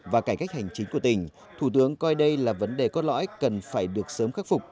và cải cách hành chính của tỉnh thủ tướng coi đây là vấn đề cốt lõi cần phải được sớm khắc phục